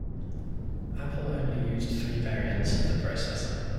Apple only used three variants of the processor.